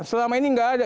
selama ini nggak ada